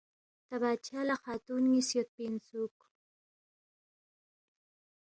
تا بادشاہ لہ خاتون نِ٘یس یودپی اِنسُوک